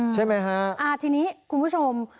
ใช่ไหมฮะอ่าทีนี้คุณผู้ชม